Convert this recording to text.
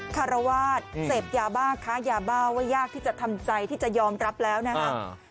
คารวาสเสพยาบ้าค้ายาบ้าว่ายากที่จะทำใจที่จะยอมรับแล้วนะครับ